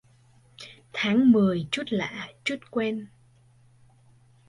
Tháng mười chút lạ, chút quen